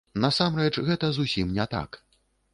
Насамрэч, гэта зусім не так.